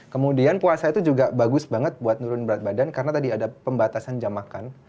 kemudian puasa itu juga bagus banget buat nurun berat badan karena tadi ada pembatasan jam makan